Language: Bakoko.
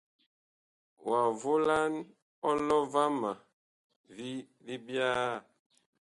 Wa volan ɔlɔ vama vi libyaa.